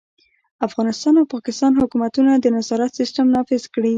افغانستان او پاکستان حکومتونه د نظارت سیستم نافذ کړي.